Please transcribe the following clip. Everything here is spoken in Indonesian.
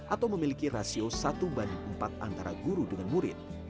atau memiliki rasio satu banding empat antara guru dengan murid